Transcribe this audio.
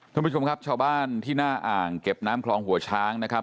ท่านผู้ชมครับชาวบ้านที่หน้าอ่างเก็บน้ำคลองหัวช้างนะครับ